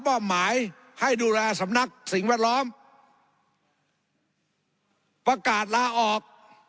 มอบหมายให้ดูแลสำนักสิ่งแวดล้อมประกาศลาออก